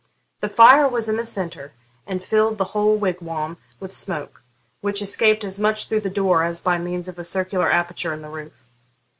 The fire was in the centre, and filled the whole wigwam with smoke, which escaped as much through the door as by means of a circular aperture in the roof.